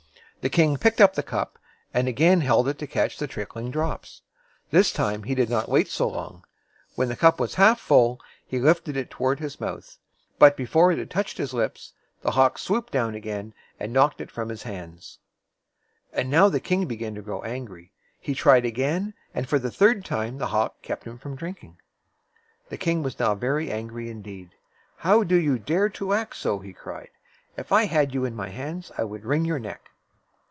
The king picked up the cup, and again held it to catch the tric kling drops. This time he did not wait so long. When the cup was half full, he lifted it toward his mouth. But before it had touched his lips, the hawk swooped down again, and knocked it from his hands. And now the king began to grow angry. He tried again; and for the third time the hawk kept him from drinking. The king was now very angry indeed. "How do you dare to act so?" he cried. "If I had you in my hands, I would wring your neck!"